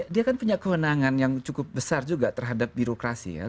dia kan punya kewenangan yang cukup besar juga terhadap birokrasi ya